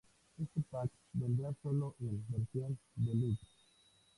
Este pack vendrá sólo en "Versión Deluxe".